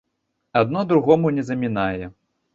Адно другому не замінае.